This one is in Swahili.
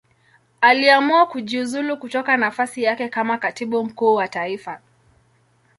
Aliamua kujiuzulu kutoka nafasi yake kama Katibu Mkuu wa Taifa.